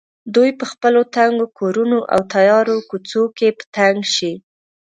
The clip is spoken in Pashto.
دوی په خپلو تنګو کورونو او تیارو کوڅو کې په تنګ شي.